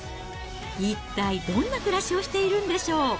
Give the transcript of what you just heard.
一体どんな暮らしをしているんでしょう。